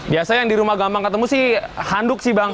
biasa yang di rumah gampang ketemu sih handuk sih bang